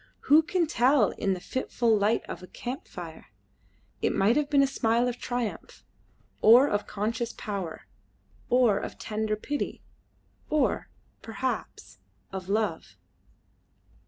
Who can tell in the fitful light of a camp fire? It might have been a smile of triumph, or of conscious power, or of tender pity, or, perhaps, of love.